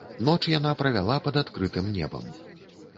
Ноч яна правяла пад адкрытым небам.